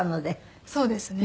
そうですね。